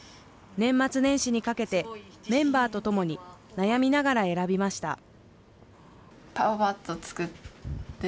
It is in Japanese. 年末年始にかけて、メンバーと共に悩みながら選びました。